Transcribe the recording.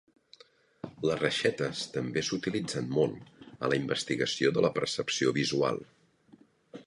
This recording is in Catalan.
Les reixetes també s'utilitzen molt a la investigació de la percepció visual.